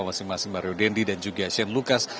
masing masing mario dendi dan juga shane lucas